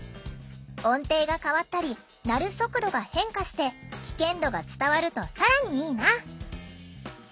音程が変わったり鳴る速度が変化して危険度が伝わると更にいいな」。